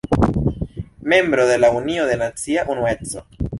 Membro de la Unio de Nacia Unueco.